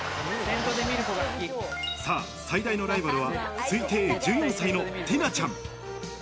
さぁ、最大のライバルは推定１４歳のティナちゃん。